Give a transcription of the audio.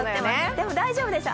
でも、大丈夫ですよ。